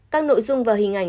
các nội dung và hình ảnh